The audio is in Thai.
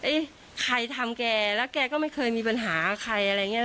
ใครทำแกแล้วแกก็ไม่เคยมีปัญหาใครอะไรอย่างนี้